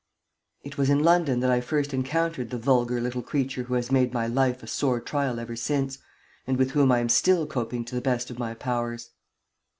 It was in London that I first encountered the vulgar little creature who has made my life a sore trial ever since, and with whom I am still coping to the best of my powers.